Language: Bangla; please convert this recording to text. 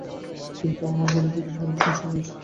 কিন্তু এখন আমার বাড়ীতে কিছু পারিবারিক সমস্যা চলছে।